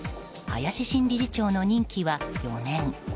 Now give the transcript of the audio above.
林新理事長の任期は４年。